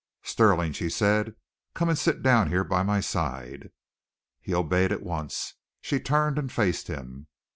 "Stirling," she said, "come and sit down here by my side." He obeyed at once. She turned and faced him.